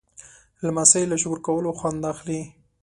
لمسی له شکر کولو خوند اخلي.